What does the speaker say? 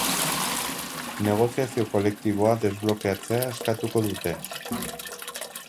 Negoziazio kolektiboa desblokeatzea eskatuko dute.